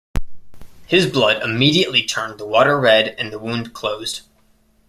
His blood immediately turned the water red and the wound closed.